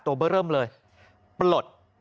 เบอร์เริ่มเลยปลด